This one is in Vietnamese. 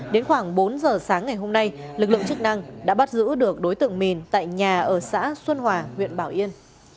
đến khoảng bốn giờ sáng ngày hôm nay lực lượng chức năng đã bắt giữ được đối tượng mìn tại nhà ở xã xuân hòa huyện bảo yên